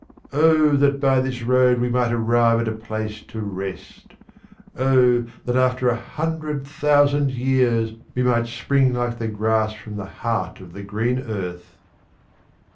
Oh that by this road we might arrive at a place to rest ! oh that after a hundred thousand years we might spring like the grass from the heart of the green earth